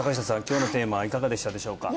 今日のテーマいかがでしたでしょうか？